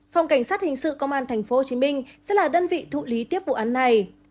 phòng cảnh sát hình sự công an tp hcm sẽ là đơn vị thụ lý tiếp vụ án này